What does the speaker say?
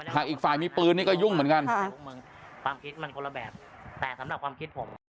อีกฝ่ายมีปืนนี่ก็ยุ่งเหมือนกันความคิดมันคนละแบบแต่สำหรับความคิดผม